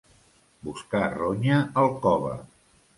Buscar ronya al cove.